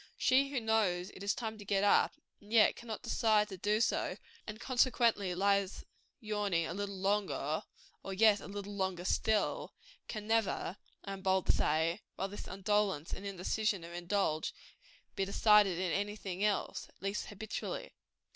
She who knows it is time to get up, and yet cannot decide to do so, and consequently lies yawning a little longer, "and yet a little longer still," can never, I am bold to say, while this indolence and indecision are indulged, be decided in any thing else at least; habitually.